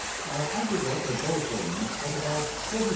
Our aggregate of both wings was about 40,500.